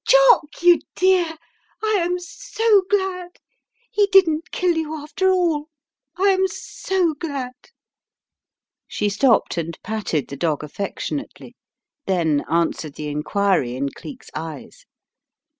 "Jock, you dear, I am so glad; he didn't kill you after all. I am so glad !" She stopped and patted the dog affectionately, then answered the inquiry in Cleek's eyes.